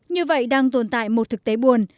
như vậy đang tồn tại một thực tế buồn